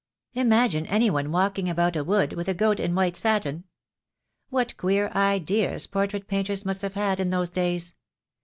Imagine any one walking about a wood, with a goat, in white satin. What queer ideas portrait painters must have had in those days.